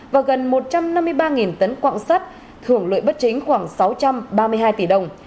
và gần một trăm năm mươi ba tấn quạng sắt thưởng lợi bất chính khoảng sáu trăm ba mươi hai tỷ đồng